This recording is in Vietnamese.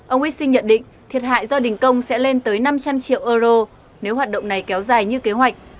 ông wissing nhận định thiệt hại do đình công sẽ lên tới năm trăm linh triệu euro nếu hoạt động này kéo dài như kế hoạch